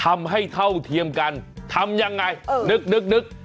เท่าเทียมกันทำยังไงนึก